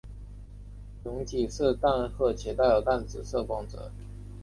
蛹体色淡褐且带有淡紫色光泽。